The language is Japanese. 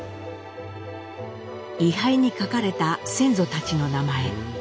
位牌に書かれた先祖たちの名前。